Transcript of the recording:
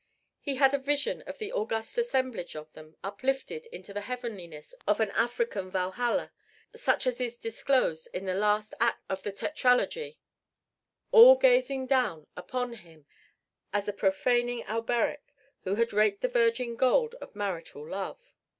He had a vision of the august assemblage of them uplifted into the heavenliness of an African Walhalla such as is disclosed in the last act of the Tetralogy all gazing down upon him as a profaning Alberic who had raped the virgin Gold of marital love.